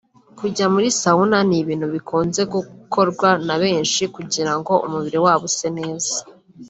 kujya muri sauna ni ibintu bikunze gukorwa na benshi kugira ngo umubiri wabo use neza